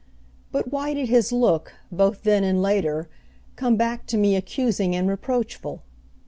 But why did his look, both then and later, come back to me accusing and reproachful?